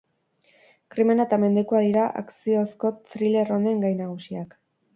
Krimena eta mendekua dira akziozko thriller honen gai nagusiak.